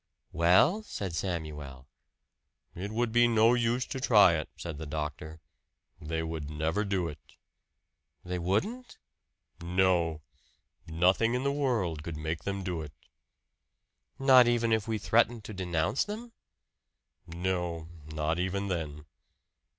"Well?" said Samuel. "It would be no use to try it," said the doctor. "They would never do it." "They wouldn't?" "No. Nothing in the world could make them do it." "Not even if we threatened to denounce them?" "No; not even then."